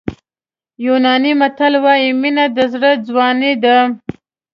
یوناني متل وایي مینه د زړه ځواني ده.